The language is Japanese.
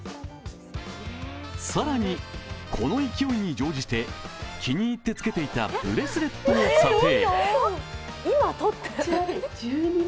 更に、この勢いに乗じて気に入ってつけていたブレスレットも査定。